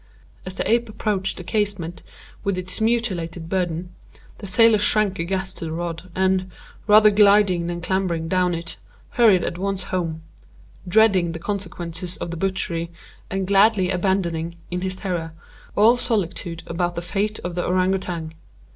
As the ape approached the casement with its mutilated burden, the sailor shrank aghast to the rod, and, rather gliding than clambering down it, hurried at once home—dreading the consequences of the butchery, and gladly abandoning, in his terror, all solicitude about the fate of the Ourang Outang.